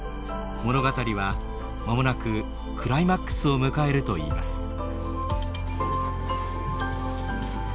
物語はまもなくクライマックスを迎えるといいます。